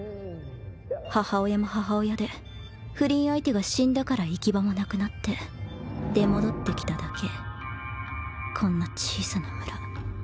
母親も母親で不倫相手が死んだから行き場もなくなって出戻ってきただけ。